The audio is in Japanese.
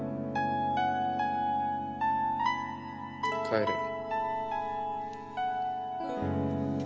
帰れ。